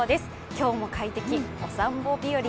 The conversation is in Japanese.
今日も快適、お散歩日和。